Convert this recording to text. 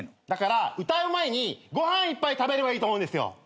だから歌う前にご飯いっぱい食べればいいと思うんですよ。